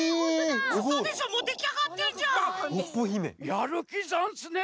やるきざんすね！